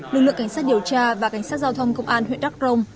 lực lượng cảnh sát điều tra và cảnh sát giao thông công an huyện đắk rồng